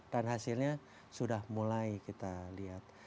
dan hasilnya sudah mulai kita lihat